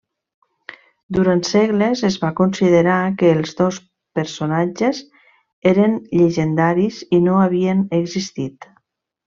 Durant segles es va considerar que els dos personatges eren llegendaris i no havien existit.